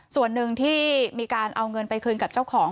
ส่วนหนึ่งที่มีการเอาเงินไปคืนกับเจ้าของ